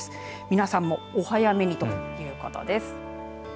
皆さんもお早めにということです。